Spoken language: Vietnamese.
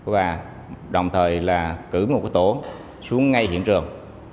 và đồng thời là cử một tổ xuống ngay hiện trường